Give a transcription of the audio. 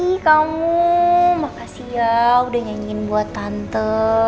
i kamu makasih ya udah nyanyiin buat tante